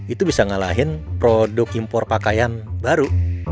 itu bisa ngalahin produk impor pakaian baru